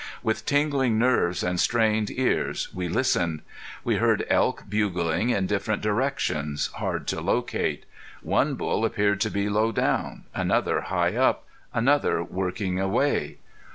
With tingling nerves and strained ears we listened. We heard elk bugling in different directions, hard to locate. One bull appeared to be low down, another high up, another working away.